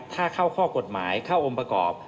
ถ้าเข้าข้อกฎหมายเข้าองค์ประกอบ